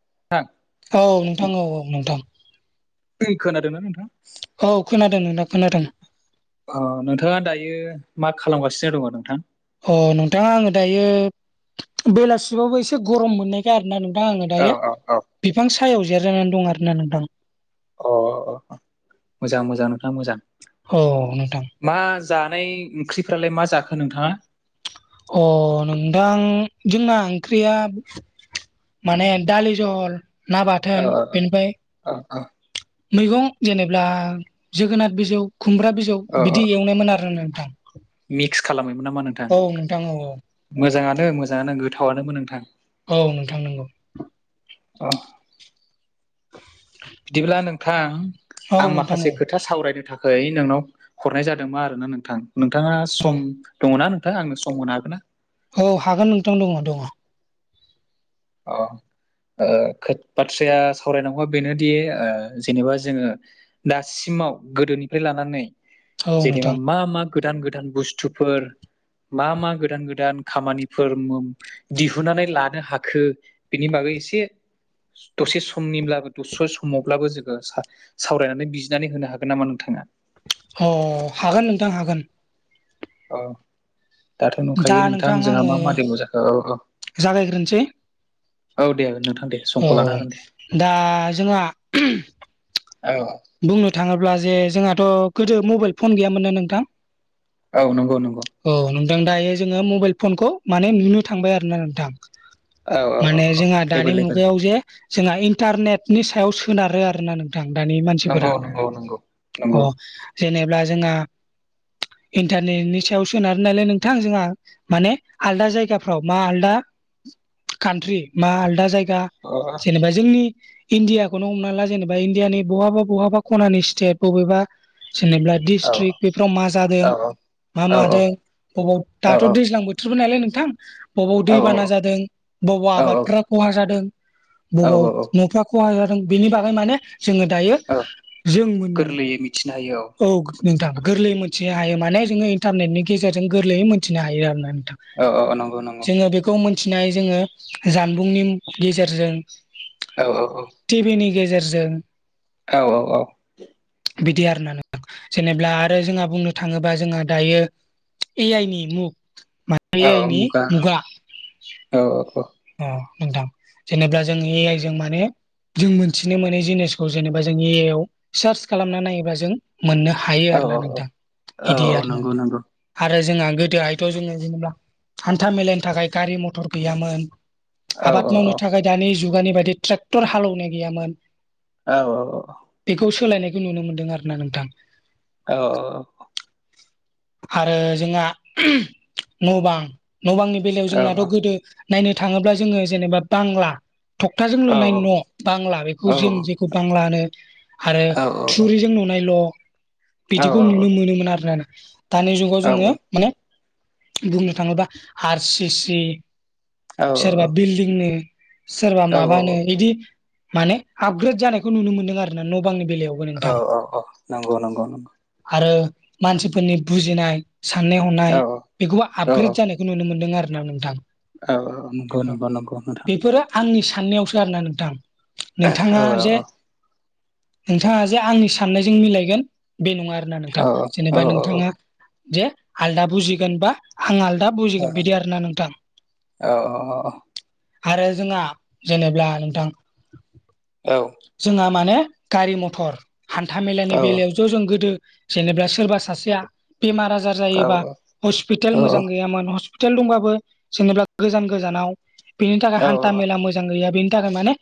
[unintelligible] औ नोंथां औ औ नोंथां। दै खोनादोंना नोंथां? औ खोनादों नोंथां खोनादों। अ नोंथाङा दायो मा खालामगासिनो दङ नोंथां? अ नोंथां आङो दायो बेलासिबावबो एसे गरम मोननाय खाय आरो ना नोंथां आङो औ दायो औ बिफां सायाव जेरजानानै दं आरो ना नोंथां। अ अ मोजां मोजां नोंथां मोजां। औ नोंथां मा जानाय ओंख्रिफ्रालाय मा जाखो नोंथाङा? अ नोंथां जोंना ओंख्रिया माने दालि जहल ना ओ बाथोन बेनिफाय ओ मैगं जेनेबा जोगोनाद बिजौ, खुमब्रा बिजौ ओ ओ बिदि एवनायमोन आरो नोंथां। मिक्स खालामोमोन नामा नों औ नोंथां औ - औ। मोजाङानो मोजाङानो गोथावानोमोन नोंथां। औ नोंथां नंगौ। अ, बिदिब्ला नोंथां औ आं नोंथां औ माखासे खोथा सावरायनो थाखाय हैै नोंनाव हरनाय जादोंमोन आरो ना नोंथां, नोंथाङा नोंथां सम दङ ना? थां आंनो सम होनो हागोन्ना। औ हागोन नोंथां दङ दङ। अ, ओ बाथ्राया सावरायनांगौवा बेनोदि ओ जेनेबा जोङो दासिमाव गोदोनिफ्राय लानानै औ नोंथां जेनेबा मा - मा गोदान - गोदान बुस्थुफोर मा मा गोदान - गोदान खामानिफोर दिहुननानै लानो हाख खो, बिनि बागै एसे दसे समनिब्लाबो [unintelligible] समावब्लाबो जोङो सावरायनानै बिजिनानै होनो हागोन नामा नोंथाङा। अ' हागोन नोंथां हागोन। औ दाथ' दा नुखायो नोंथां जोंहा आङो मा माादेल' जाखो औ औ। जागायग्रोनोसै औ दे नोंथां दे। औ समखौ लानो हागोन दे दा जोंहा औ। बुंनो थाङोब्ला जे जोंहाथ' गोदो मबाइल फन गैयामोन ना नोंथां। औ नंगौ नंगौ। औ नोंथां दायो जोङो मबाइल फनखौ माने नुनो थांबाय आरो ना नोंथां। औ औ औ माने औ जोंहा दानि एभेलेबेल मुगायाव जे जोंहा इन्टारनेटनि सायाव सोनारो आरो ना नोंथां दानि मान नंगौ नंगौ नंगौ नंगौ अ' जेनेब्ला जोंहा इन्टारनेटनि सायाव सोनार नालाय नोंथां जोंहा माने आलदा जायगाफ्राव मा आलदा कान्ट्रि मा आलदा जायगा अ' जेनेबा जोंनि इण्डियाखौनो हमना ला जेनेबा इण्डियानि बबहाबा बहाबा खनानि स्टेप बबेबा जेनेबा औ डिसट्रिक् बेफोराव मा जादों औ मा औ मादों बबाव औ दाथ' दैज्लां बोथोर थोरबो नालाय नोंथां बबाव औ दैबाना जादों बबाव औ आबादफ्रा खहा जादों औ बबाव न'फ्रा खहा जादों बेनि बागै माने जोङो दायो औ जों मोन गोरलैयै मिथिनो हायो औ नोंथां गोरलै मोन्थिनो हायो माने जोङो इन्टारनेटनि गेजेरजों गोरलैयै मोनथिनो हायो आरो ना नोंथां। औ - औ नंगौ - नंगौ। जोङो बेखौ मिथिनाय जोङो जानबुंनि गेजेरजों औ -औ -औ। टिभिनि गेजेरजों औ - औ - औ। बिदि आरो ना नोंथां। जेनेबा आरो जोंहा बुंनो थाङोबा जोंहा दायो ए आइनि मुख मा औ मुगा औ - औ। अ नोंथां जेनेबा जों ए आइ जों माने जों मोनथिनो मोनै जिनिसखौ जेनेबा जों ए आइ आव सार्च खालामना नायोबा जों मोननो हायो औ आरो ना औ नोंथां औ बिदि औ आरो ना नंगौ नंगौ आरो जोंहा गोदोहायथ' जोङो जेनेबा हान्था मेलानि थाखाय गारि मथर गैयामोन औ औ आबाद मावनो थाखाय दानि जुगानि बायदि ट्रेक्टर हालेवनाय गैयामोन औ - औ। बेखौ सोलायनायखौ नुनो मोन्दों आरो ना नोंथां। औ ओ आरो जोंहा न' बां न' बांनि बेलायाव जोंनाथ' गोदो नायनो थाङोब्ला जोङो जेनेबा बांला थखथाजों औ लुनाय औ न' बांला बेखौ जों जेखौ बांला होनो आरो थुरिजों नुनायल' बिदिखौ नुनो मोनोमोन आरो ना दानि जुगाव जोङो माने बुंनो थाङोबा आर सि सि औ सोरबा बिल्डिंनो सोरबा माबानो बिदि माने आपग्रेद जानायखौ नुनो मोन्दों आरो ना न' बांनि बेलायाव औ ओ अ नंगौ नंगौ नं आरो मानसिफोरनि बुजिनाय साननाय औ हनाय बेखौबो औ आपग्रेद जानाय खौ नुनो मोनदों आरो ना नोंथां। औ नंगौ अ नंगौ नंगौ नोंथां बेफोरो आंनि साननायावसो आरोना नोंथां नोंथाङा औ औ जे औ नोंथाङा जे आंनि साननायजों मिलायगोन बे नङा आरोना औ नोंथां जेनेबा नोंथाङा जे आलदा बुजिगोनबा आं आलदा बुजिगोन बिदि आरोना नोंथां आरो जोंहा जेनेब्ला नोंथां औ जोंहा माने गारि मथर हान्था मेलानि बेलायाव ज' जों गोदो जेनेब्ला सोरबा सासेया बेमार आजार जायोबा हस्पिटाल मोजां गैयामोन हसपिटाल दंबाबो जेनेब्ला गोजान गोजानाव बेनि थाखाय हान्था मेला मोजां गैया बेनि थाखाय माने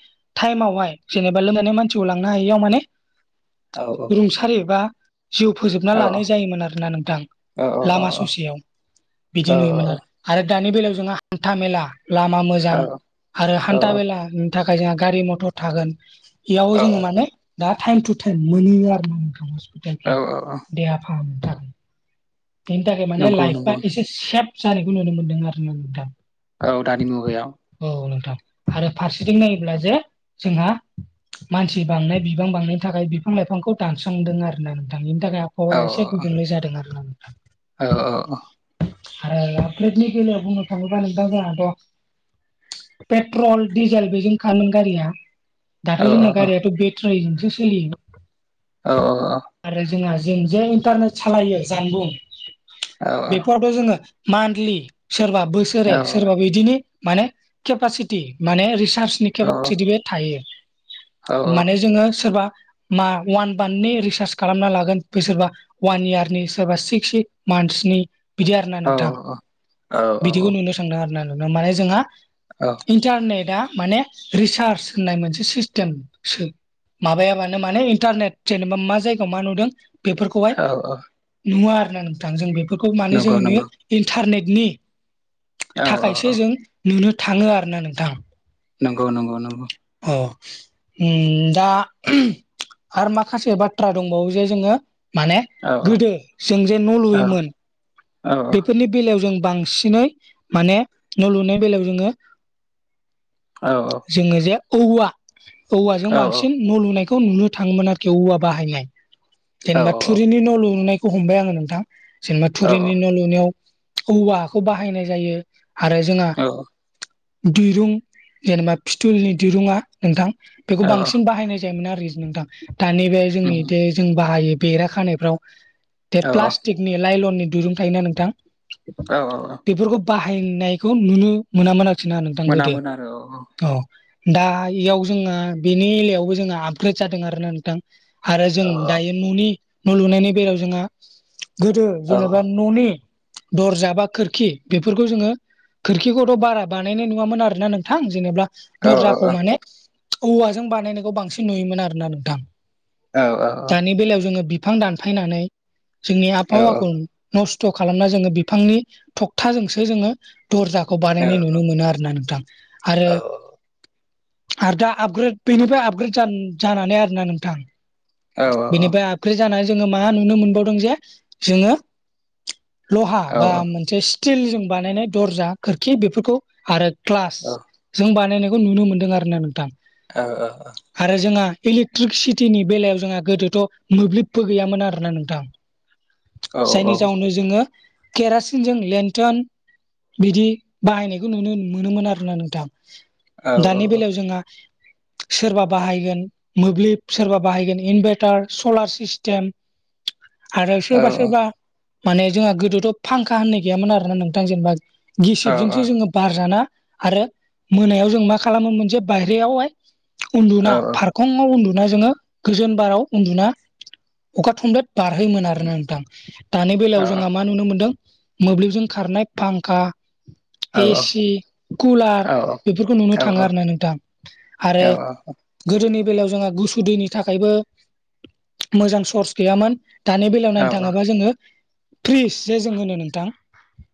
टाइमावहाय जेनेबा लो माने मानसिखौ लांनो हायियाव माने रुंसारि बा जिउ फोजोबना लानाय जायोमोन आरोना नोंथां लामा ससेयाव बिदि नुयोमोन आरो आरो दानि बेलायाव जोंहा हान्था मेला लामा औ मोजां आरो औ हान्था मेला उम थाखाय जोंहा गारि मथर थागोन बेयाव जोङो माने दा थाइम टु थाइम मोनैयो आरो ना नोंथां हस्पिटालफ्राव औ देहा हा थाख बेनि थाखाय माने नंगौ लाइफा नंगौ एसे सेफ जानायखौ नुनो मोन्दों आरो ना नोंथां औ दानि मुगायाव औ नोंथां आरो फारसेथिं नायोब्ला जे जोंहा मानसि बांनाय बिबां बांनायनि थाखाय बिफां लाइफांखौ दानस्रांदों आरोना नोंथां बेनि थाखाय औ आबहावाया एसे गुबुंले जादों आरो ना नोंथां औ ओ अ आरो प्रेटनि बेलायाव बुंनो थांङोब्ला नोंथां जोंहाथ' पेट्रल डिजेल बेजों खामोन गारिया दाथ' औ जोंना गारियाथ' बेथ्रायजोंसो सोलियो। औ ओ अ आरो जोंहा जों जे इन्टारनेट सालायो जानबुं बेफोरावथ' जोङो मान्थलि सोरबा बोसोरे सोरबा बिदिनो माने केपासिटि माने रिसार्चनि औ केपासिटि बे थायो। माने जोङो सोरबा मा वान बान्थनि रिसार्च खालामना लागोन बे सोरबा अवान इयारनि सोरबा सिक्स सि मान्थसनि बिदि आरोना नोंथां बिदिखौ नुनो सांदों आरो ना नोंथां माने जोंहा औ इन्टारनेटा माने रिसार्ज होननाय मोनसे सिस्टेम सो माबायाबानो माने इन्टारनेट जेनेबा मा जायगायाव मा नुदों। बेफोरखौहाय औ औ नुवा आरोोना नोंथां जों बेफोरखौ मानोे नंगौ जों नुयो। नंगौ इन्टारनेटनि औ औ औ थाखायसो जों नुनो थाङो आरोना नोंथां। नंगौ नंगौ नंगौ। औ। दा आरो माखासे बाथ्रा दंबावो जे जोङो माने औ गोदो जों जे न' औ लुयोमोन औ बेफोरनि बेलायाव जों बांसिन दिनै माने न' लुनाय बेलायाव जोङो औ औ। जोङो जे औवा औवाजों बांसिन न' लुनायखौ नुनो थाङोमोन आरोखि औवा बाहायनाय औ जेनेबा थुरिनि न' लुनाय हमबाय आङो नोंथां जेनेबा थुरिनि न' लुनायाव औवा हाखौ बाहायनाय जायो। आरो जोंहा औ दिरुं जेनेबा फिथुलनि दिरुंङा नोंथां। औ बेखौ बांसिन बाहायनाय जायोमोन आरोख नोंथां दानि बे उम जोंनिदि जों बाहायो। बेरा खानायफ्राव बे औ औ प्लास्टिकनि लाइलननि दिरुं थायोना नोंथां। औ औ औ। बेफोरखौ बाहायनायखौ नुनो मोनामोन आरोखि ना नोंथां मोना गोदो। मोना आरो औ दा इयाव जोंना बेनि एलायावबो जोंहा आपग्रेड जादों आरोना नोंथां। आरो औ जों दायो न'नि न' लुनायनि बेलायाव जोंहा गोदो औ जेनेबा न'नि दरजा बा खोरखि बेफोरखौ जोङो खोरखिखौथ' बारा बानायनाय नङामोन आरोना नोंथां। जेनेबा औ दरजाखौ माने औवाजों बानायनायखौ बांसिन नुयोमोन आरोना नोंथां। औ औ दानि बेलायाव जोङो बिफां दानफायनानै जोंनि औ आबहावाखौ नस्थ' खालामना जोङो बिफांनि थखथाजोंसो जोङो दर्जाखौ बानायनाय नुनो मोनो आरो ना नोंथां। आरो आरो दा आपग्रेड बेनिफ्राय आपग्रेड जानानै आरोोना नोंथां। बेनिफ्राय फ्रि जानानै जोङो मा नुनो मोनबावदों जे जोङो लहा बा मोन स्ल जजों बानायनाय दजा खोरखि बेफोरखौ आरो ग्लासजों बानायनाय खौ नुनो मोनदों आरो ना नोंथां। औ औ औ। आरो जोंहा इलेक्ट्रिसिटिनि बेलायाव जोंहा गोदोथ' मोब्लिबबो गैयामोन आरोना नोंथां। जायनि जाउनावनो जोङो केरासिनजों लेन्टन बिदि बाहायनायखौ नुनो मोनोमोन आरोना नोंथां। दानि बेलायाव जोंहा सोरबा बाहायगोन मोब्लिब सोरबा बाहायगोन इनभारटार सलार सिस्टेम। आरो सोरबा सोरबा माने जोंहा गोदोथ' फांखा होननाय गैयामोन आरोना नोंथां। जेनेबा औ औ गिसिबजोंसो जोङो बारजाना आरो मोनायाव जों मा खालामो मोनसेे बाय्रायावहाय उन्दुना फारखंआव उन्दुना जोङो गोजोन बाराव उन्दुना अखा थुमल्लेद बारहोमोन आरोना नोंथां। दानि बेलायाव जोंहा मा नुनो मोनदों। मोब्लिबजों खारनाय फांखा ए सि, कुलार बेफोरखौ नुनो थाङो आरो ना नोंथां आरो गोदोनि बेलायाव जोंहा गुसु दैनि थाखायबो मोजां सर्स गैयामोन। दानि बेलायाव नायनो थाङोबा जोङो फ्रिज जे जों होनो नोंथां।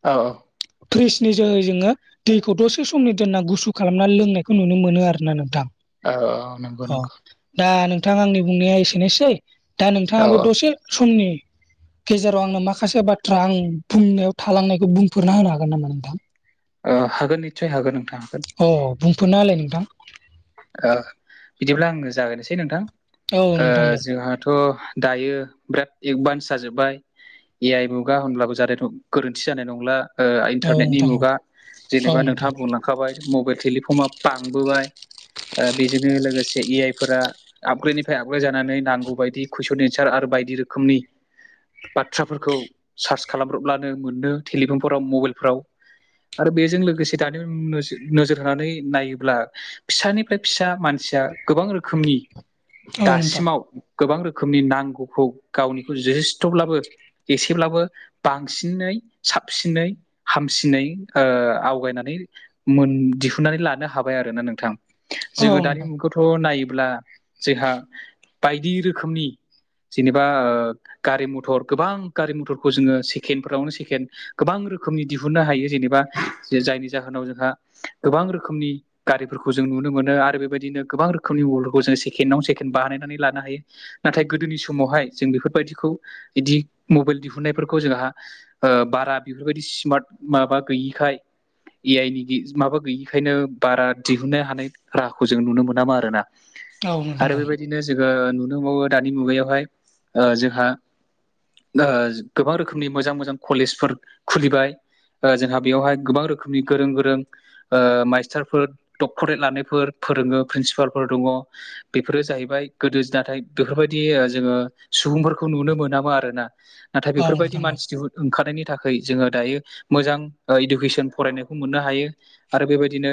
औ। फ्रिजनि जोहै जोङो दैखौ दसे समनि दोनना गुसु खा खालामना लोंनायखौ नुनो मोनो आरोना नोंथां। औ औ नंगौ अ नंगौ। दा नोंथाङा आंनि बुंनाया एसेनोसै। दा औ नोंथाङाबो दसे समनि गेजेराव आंनो माखासे बाथ्रा आं बुंनायाव थालांनायखौ बुंफोरना होनो हागोन नामा नोंथां? ओ हागोन निस्सय हागोन नोंथां हागोन। अ बुंफोरना होलाय नोंथां। ओ बिदिब्ला आङो जागायनोसै नोंथां। औ नोंथां दे जोंहाथ' दायो बिराद एडभान्स जाजोब्बाय ए आइ मुगा होनब्लाबो जादेथ' गोरोन्थि जानाय नंला। ओ औ इन्टारनेटनि नोंथां औ मुगा औ जेनेबा नोंथां नोंथाङा बुंलांखाबाय मबाइल टेलिफन बांबोबाय ख ओ बेजोंनो लोगोसे ए आइफोरा आपग्रेडनिफ्राय आपग्रेड जानानै नांगौ बायदि कुइसन एनचार आरो बायदि रोखोमनि बाथ्राफोरखौ सार्च खालामब्रबब्लानो मोनो टेलिफनफोराव मबाइलफोराव। आरो बेजों लोगोसे दानि नोजो-नोजोर होनानै नायोब्ला फिसानिफ्राय फिसा मानसिया गोबां रोखोमनि औ नोंथां दासिमाव गोबां रोखोमनि नांगौखौ गावनिखौ जथेस्थ'ब्लाबो एसेब्लाबो बांसिनै साबसिनै हामसिनै ओ आवगायनानै मोन दिहुननानै लानो हाबाय आरोना नोंथां। औ जोङो दानि नोंथां मुगायावथ' थ' नायोब्ला जोंहा बायदि रोखोमनि जेनेबा ओ गारि मटर गोबां गारि मटरखौ जोङो सेकेण्डफोरावनो सेकेण्ड गोबां रोखोमनि दिहुननो हायो जेनेबा जायनि जाहोनाव जोंहा गोबां रोखोमनि गारिफोर खौ जों नुनो मोनो आरो बेबायदिनो गोबां रोखोमनि वलखौ जों सेकेणडआव सेकेण्ड बानायनानै लानो हायो। नाथाय गोदोनि समावहाय जों बेफोरबायदिखौ बिदि मबाइल दिहुननायफोरखौ जोंहा ओ बारा बेफोरबायदि स्मार्ट माबा गैयिखाय ए आइ नि माबा गैयिखायनो बारा दिहुननो हानाय राहाखौ जों नुनो मोनामा आरोना। औ नोंथां आरो बेबायदि बिदिनो जोङो नुनोबावो दानि मुगायावहाय ओ जोहा ओ गोबां रोखोमनि मोजां मोजां कलेजफोर खुलिबाय। ओ जोंहा बेयावहाय गोबां रोखोमनि गोरों गोरों ओ माइस्टारफोर डक्ट'रेट लानायफोर फोरोङो प्रिनसिपालफोर दङ। बेफोरो जाहैबाय गोदो नाथाय बेफोरबायदि जोङो सुबुंफोरखौ नुनो मोनामो आरोना‌ नाथाय औ बेफोरबायदि नोंथां मानसि दिहु ओंखारनायनि थाखाय जोङो दायो ओ मोजां इडुकेसन फरायनायखौ मोननो हायो। आरो बेबायदिनो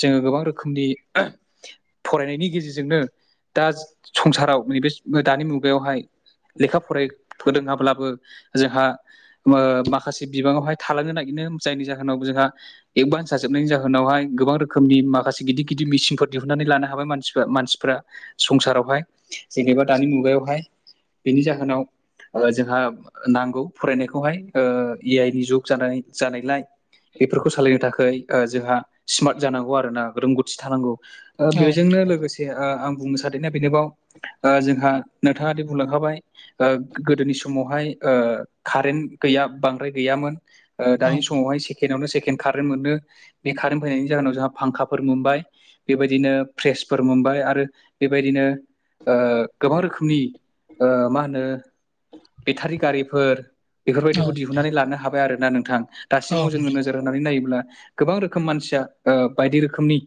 जोङो गोबां रोखोमनि फरायनायनि गेजेरजोंनो दा संसाराव न बे दानि मुगायावहाय लेखा फराय फोरोङाब्लाबो जोंहा ओ माखासे बिबाङावहाय थालांनो नागिरदों जायनि जाहोनाव जोंहा एक बान्सा जोबनायनि जाहोनावहाय गोबां रो‌ खोमनि माखासे गिदिर गिदिर मिचिनफोर दिहुननानै लानो हाबाय मानसिफ-मानसिफ्रा। संसारावहाय जेनेबा दानि मुगायावहाय बिनि जाहोनाव ओ जोंहा नांगौ फरायनायखौहाय ओ ए आइ नि जुग जानाय जानायलाय बेफोरखौ सालायनो थाखाय ओ जोंहा स्मार्ट जानांगौ आरो ना रोंगौथि थानांगौ। ओ औ बेजोंनो लोगोसे ओ आं बुंनो सादोंना बेनोबाव ओ जोंहा नोंथाङादि बुंलांखाबाय ओ गोदोनि समावहाय कारेन्ट गैया बांद्राय गैयामोन। ओ औ दानि समावहाय सेकेण्डआवनो सेकेणड कारेन्ट मोनो। बे कारेन्ट फैनायनि जाहोनाव जोंहा फांखाफोर मोनबाय बेबायदिनो फ्रेसफोर मोनबाय आरो बेबायदिनो ओ गोबां रोखोमनि ओ मा होनो बेटारि गारिफोर औ बेफोरबायदिखौ दिहुननानै नोंथां लानो हाबाय आरोना नोंथां। औ दासिमाव जोङो नोजोर होनानै नायोब्ला गोबां रोखोम मानसिया ओ बायदि रोखोमनि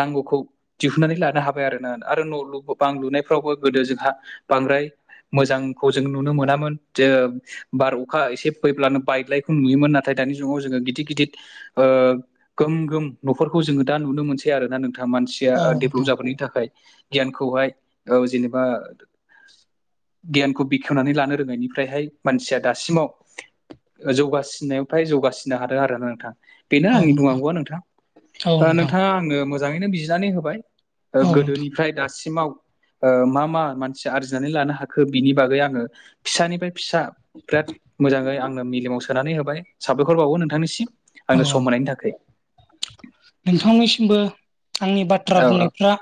नांगौखौ दिहुननानै लानो हाबाय आरोना आरो न' बां लुनायफ्रावबो गोदो जोंहा बांद्राय मोजांखौ जों नुनो मोनामोन जे बार अखा एसे फैब्लानो बायदलायखौ नुयोमोन नाथाय दानि जुगाव जोंङो गिदिर गिदिर ओ गोम गोम न'खरखौ जोंङो दा नुनो मोनसै आरो ना नोंथाङा मानसिया औ डेभलप नोंथां जाबोननि थाखाय गियानखौहाय जेनेबा गियानखौ बेखेवनानै लानो रोङैनायनिफ्रायहाय मानसिया दासिमाव जौगासिननायाव फ्राय जौगासिननो हादों आरो ना नोंथां बेनो आंनि बुंनांगौआ नोंथां। औ नोंथां ओ नोंथाङा आंनो मोजाङैनो बिजिनानै होबाय औ नोंथां गोदोनिफ्राय दासिमाव ओ मा मा मानसि आरजिनानै लानो हाखो बिनि बागै आङो फिसानिफ्राय फिसा बिराद मोजाङै आंनो मिलिमाव सोनानै होबाय साबायखरबावो नोंथांनिसिम आंनो औ सम होनायनि थाखाय। नोंथांनिसिमबो आंनि बाथ्रा औ औ बुंनायफ्रा